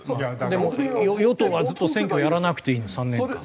でも与党はずっと選挙やらなくていいの３年間。